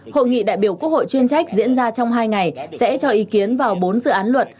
hội nghị đại biểu quốc hội chuyên trách diễn ra trong hai ngày sẽ cho ý kiến vào bốn dự án luật